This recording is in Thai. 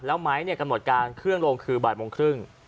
แล้วไม้กำหนดการเครื่องลงคือบ่ายโมงครึ่ง